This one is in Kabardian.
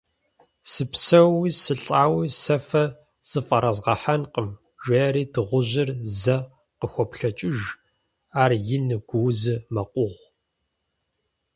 Сыпсэууи сылӀауи сэ фэ зыфӀэрызгъэхьэнкъым! - жеӀэри дыгъужьыр зэ къахуоплъэкӀыж, ар ину, гуузу мэкъугъ.